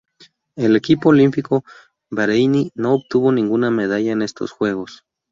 El equipo olímpico bareiní no obtuvo ninguna medalla en estos Juegos.